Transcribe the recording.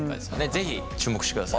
是非注目してください。